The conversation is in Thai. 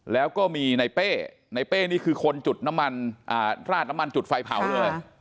แล้วก็มีในเป้ในเป้นี่คือคนจุดน้ำมันราดน้ำมันจุดไฟเผาเลย